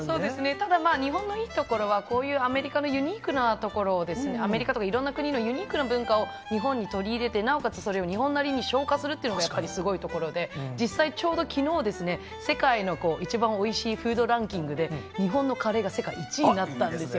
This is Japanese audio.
ただまあ、日本のいいところはこういうアメリカのユニークなところを、あめりかとかいろんなところのユニークな文化を日本に取り入れて、なおかつ、それを日本なりに消化するというのがやっぱりすごいところで、実際、ちょうどきのう、世界の一番おいしいフードランキングで、日本のカレーが世界１位になったんですよ。